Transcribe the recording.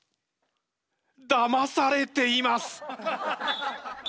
だまされています！